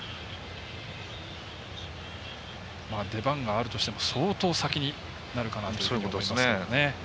出番があるとしても相当先になるかなということですね。